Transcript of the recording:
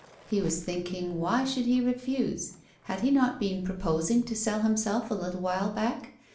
lie was thinking why should he refuse? Had he not been proposing to sell himself a little while back?